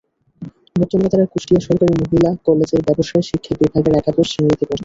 বর্তমানে তারা কুষ্টিয়া সরকারি মহিলা কলেজের ব্যবসায় শিক্ষা বিভাগের একাদশ শ্রেণিতে পড়ছে।